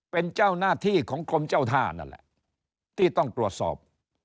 เป็นเจ้าหน้าที่ของกรมเจ้าท่านั่นแหละที่ต้องตรวจสอบ